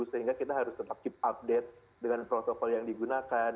sehingga kita harus tetap keep update dengan protokol yang digunakan